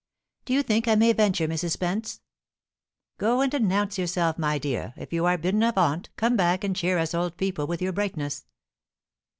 "Do you think I may venture, Mrs. Spence?" "Go and announce yourself, my dear. If you are bidden avaunt, come back and cheer us old people with your brightness."